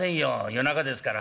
夜中ですから」。